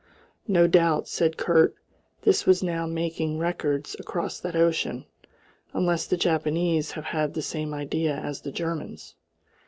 No doubt, said Kurt, this was now making records across that ocean, "unless the Japanese have had the same idea as the Germans."